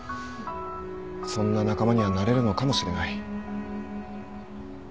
そんな仲間にはなれるのかもしれない。